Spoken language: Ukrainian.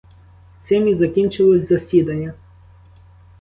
Цим і закінчилось засідання.